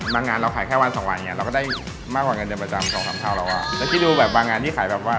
มางานเราขายแค่วัน๒วันอย่างงี้